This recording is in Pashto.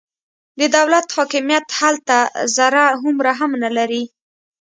د دولت حاکمیت هلته ذره هومره هم نه لري.